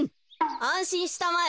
あんしんしたまえ。